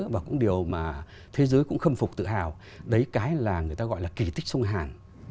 và cũng điều mà thế giới cũng khâm phục tự hào đấy cái là người ta gọi là kỳ tích sông hàn